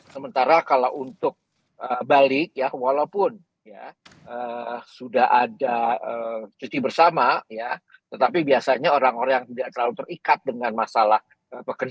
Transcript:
sementara kalau untuk balik ya walaupun sudah ada cuti bersama ya tetapi biasanya orang orang yang tidak terlalu terikat dengan masalah pekerjaan